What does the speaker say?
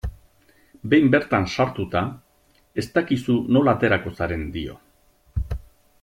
Behin bertan sartuta, ez dakizu nola aterako zaren, dio.